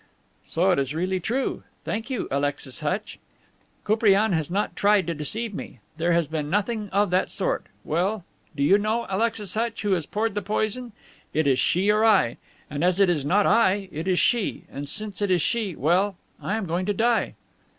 "So it is really true. Thank you, Alexis Hutch. Koupriane has not tried to deceive me. There has been nothing of that sort. Well, do you know, Alexis Hutch, who has poured the poison? It is she or I. And as it is not I, it is she. And since it is she, well, I am going to die!"